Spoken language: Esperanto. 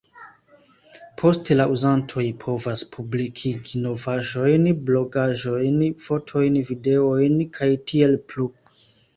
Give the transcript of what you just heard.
Poste la uzantoj povas publikigi novaĵojn, blogaĵojn, fotojn, videojn, ktp.